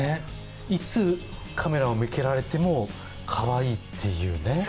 いつカメラを向けられてもかわいいっていうね。